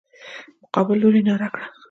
مقابل لوري ناره کړه.